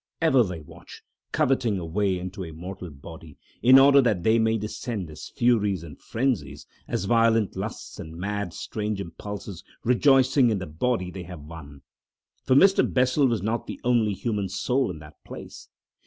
Ever they watch, coveting a way into a mortal body, in order that they may descend, as furies and frenzies, as violent lusts and mad, strange impulses, rejoicing in the body they have won. For Mr. Bessel was not the only human soul in that place.